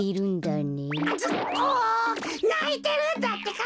ないてるんだってか！